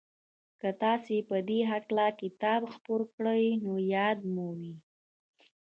که تاسې په دې هکله کتاب خپور کړ نو ياد مو وي.